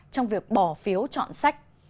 trong việc bỏ phiếu chọn sách